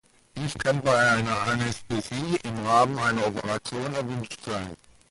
Dies kann bei einer Anästhesie im Rahmen einer Operation erwünscht sein.